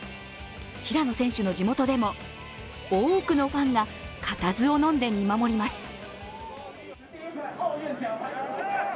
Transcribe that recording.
平野選手の地元でも多くのファンが固唾をのんで見守ります。